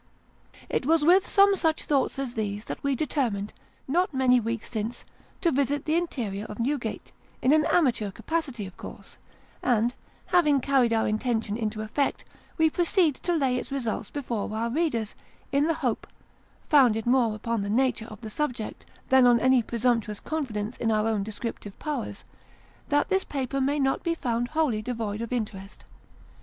It was with some such thoughts as these that we determined, not many weeks since, to visit the interior of Newgate in an amateur capacity, of course ; and, having carried our intention into eifect, we proceed to lay its results before our readers, in the hope founded more upon the nature of the subject, than on any presumptuous confidence in our own descriptive powers that this paper may not be found wholly devoid of interest.